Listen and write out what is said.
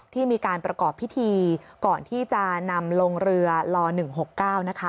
ที่มีการประกอบพิธีก่อนที่จะนำลงเรือล๑๖๙นะคะ